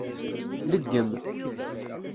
Leggem.